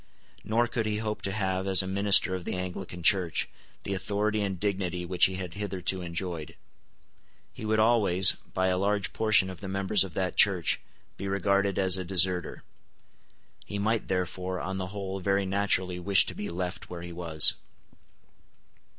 Nor could he hope to have, as a minister of the Anglican Church, the authority and dignity which he had hitherto enjoyed. He would always, by a large portion of the members of that Church, be regarded as a deserter. He might therefore, on the whole, very naturally wish to be left where he was.